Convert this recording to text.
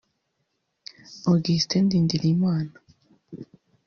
Augustin Ndindiriyimana